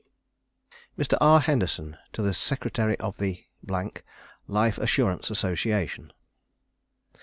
_] _Mr. R. Henderson to the Secretary of the Life Assurance Association.